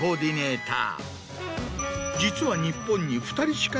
実は。